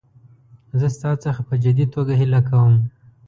زه ستا څخه په جدي توګه هیله کوم.